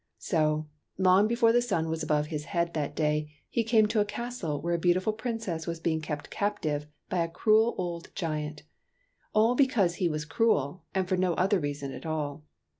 So, long before the sun was above his head that day, he came to a castle where a beautiful Princess was being kept captive by a cruel old giant, — all because he was cruel, and for no other reason at all.